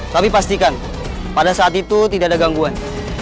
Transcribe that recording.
tapi pastikan pada saat itu tidak ada gangguan